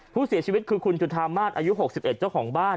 ผู้เสียชีวิตคือคุณจุธามาศอายุ๖๑เจ้าของบ้าน